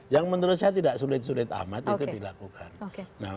yang menurut saya tidak sulit sulit amat itu dilakukan